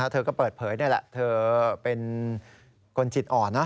เธอก็เปิดเผยนี่แหละเธอเป็นคนจิตอ่อนนะ